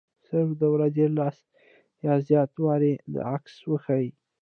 صرف د ورځې لس یا زیات وارې دا عکس وښيي.